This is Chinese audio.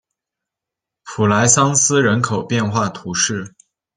普莱桑斯人口变化图示